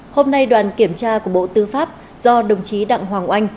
hôm nay đoàn kiểm tra của bộ tư pháp do đồng chí đặng hoàng anh